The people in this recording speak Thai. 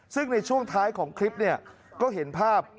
ซึ่งในช่วงท้ายของคลิปเนี่ยก็เห็นภาพ